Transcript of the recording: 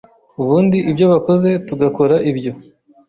Ubundi ibyo bakoze tugakora ibyo,